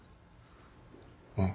うん。